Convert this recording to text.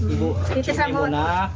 ibu cik maimunah